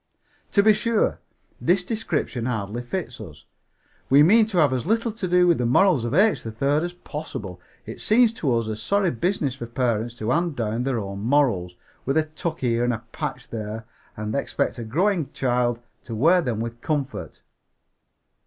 To be sure, this description hardly fits us. We mean to have as little to do with the morals of H. 3rd as possible. It seems to us a sorry business for parents to hand down their own morals, with a tuck here and a patch there, and expect a growing child to wear them with any comfort.